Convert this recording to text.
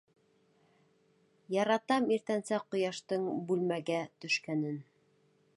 Яратам иртәнсәк ҡояштың бүлмәгә төшкәнен!..